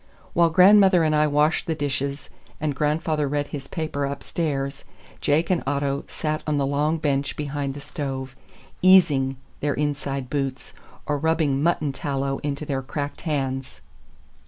While grandmother and I washed the dishes and grandfather read his paper upstairs, Jake and Otto sat on the long bench behind the stove, "easing" their inside boots, or rubbing mutton tallow into their cracked hands.